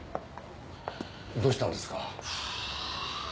どうしたんですか？